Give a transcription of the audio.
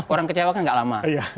orang kecewa kan gak lama